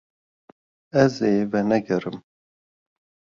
Ez ê venegerim.